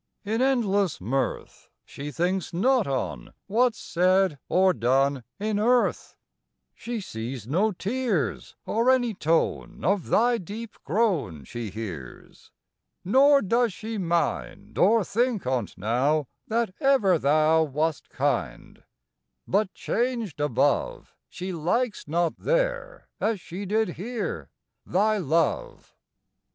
In endless mirth, She thinks not on What's said or done In earth: She sees no tears, Or any tone Of thy deep groan She hears; Nor does she mind, Or think on't now, That ever thou Wast kind: But changed above, She likes not there, As she did here, Thy love.